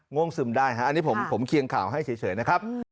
วงซึมได้ฮะอันนี้ผมเคียงข่าวให้เฉยนะครับ